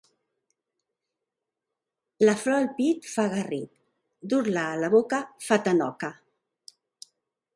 La flor al pit fa garrit, dur-la a la boca fa tanoca.